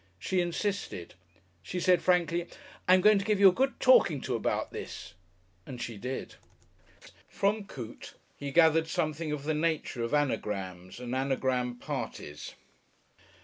She insisted. She said frankly, "I am going to give you a good talking to about this," and she did.... From Coote he gathered something of the nature of Anagrams and Anagram parties.